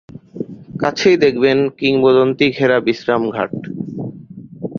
কাছেই দেখবেন কিংবদন্তি ঘেরা বিশ্রামঘাট।